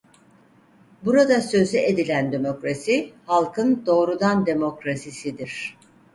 Burada sözü edilen demokrasi halkın doğrudan demokrasisidir.